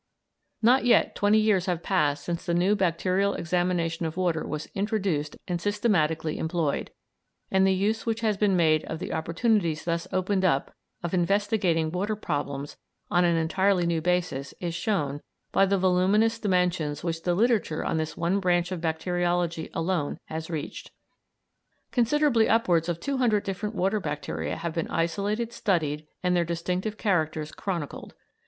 Not yet twenty years have passed since the new bacterial examination of water was introduced and systematically employed, and the use which has been made of the opportunities thus opened up of investigating water problems on an entirely new basis is shown by the voluminous dimensions which the literature on this one branch of bacteriology alone has reached. Considerably upwards of two hundred different water bacteria have been isolated, studied, and their distinctive characters chronicled.